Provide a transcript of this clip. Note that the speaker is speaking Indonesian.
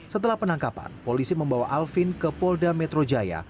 setelah penangkapan polisi membawa alvin ke polda metro jaya